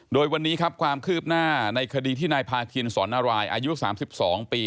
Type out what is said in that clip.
โดยวันนี้ครับความคืบหน้าในคดีที่นายพาคินสอนนารายอายุ๓๒ปี